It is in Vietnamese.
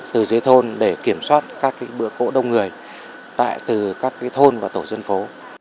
từ dưới thôn để kiểm soát các cái bữa cổ đông người tại từ các cái thôn và tổ dân phố